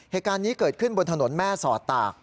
เหตุการณ์นี้เกิดขึ้นบนถนนแม่สอดตาก